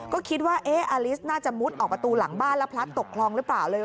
ก็คิดว่าอาลิสน่าจะมุดออกประตูหลังบ้านแล้วพลัดตกคลองหรือเปล่าเลย